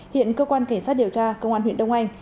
hiện cơ quan cảnh sát điều tra công an huyện đông anh